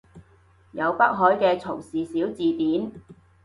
有北海嘅曹氏小字典